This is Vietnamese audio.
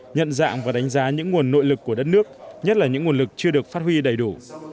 nhận dạng và đánh giá những nguồn nội lực của đất nước nhất là những nguồn lực chưa được phát huy đầy đủ